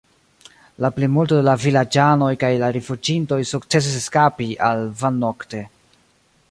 La plimulto de la vilaĝanoj kaj la rifuĝintoj sukcesis eskapi al Van nokte.